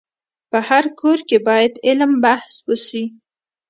په هر کور کي باید علم بحث وسي.